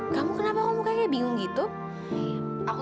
kamu bisa sedekat itu sama ibus ibu kamu